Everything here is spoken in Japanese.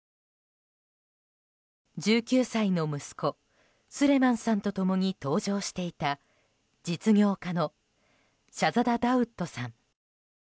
１９歳の息子スレマンさんと共に搭乗していた実業家のシャザダ・ダウッドさん。